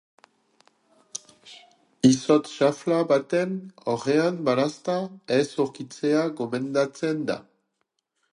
Izotz xafla baten aurrean balazta ez ukitzea gomendatzen da.